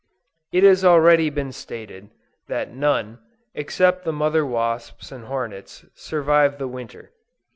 It has already been stated, that none, except the mother wasps and hornets, survive the winter.